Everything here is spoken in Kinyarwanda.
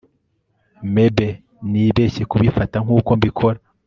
Mebbe Nibeshye kubifata nkuko mbikora